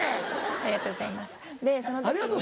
ありがとうございます？